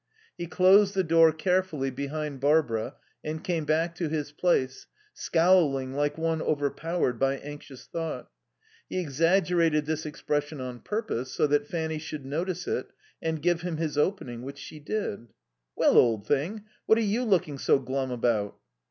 He closed the door carefully behind Barbara and came back to his place, scowling like one overpowered by anxious thought. He exaggerated this expression on purpose, so that Fanny should notice it and give him his opening, which she did. "Well, old thing, what are you looking so glum about?"